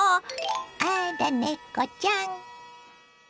あらネコちゃん！